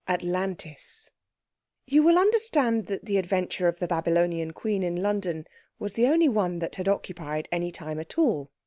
ATLANTIS You will understand that the adventure of the Babylonian queen in London was the only one that had occupied any time at all.